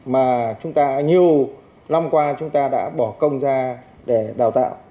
mà chúng ta nhiều năm qua chúng ta đã bỏ công ra để đào tạo